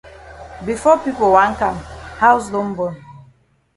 Before pipo wan kam haus don bon.